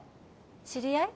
知り合い？